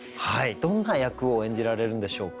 どんな役を演じられるんでしょうか？